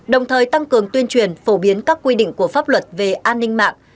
đồng thời tăng cường tuyên truyền phổ biến các quy định của pháp luật về an ninh mạng